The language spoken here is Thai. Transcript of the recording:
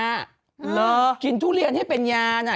กินทุเรียนให้เป็นยาน่ะ